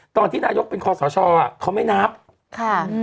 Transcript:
ตอนที่นายกเป็นคอสชอ่ะเขาไม่นับค่ะ